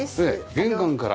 玄関から。